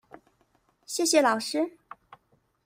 謝謝老師